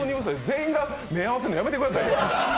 全員が目を合わせるのやめてください。